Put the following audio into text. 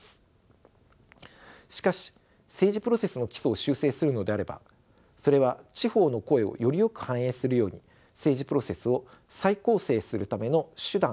しかし政治プロセスの基礎を修正するのであればそれは地方の声をよりよく反映するように政治プロセスを再構成するための手段であるべきです。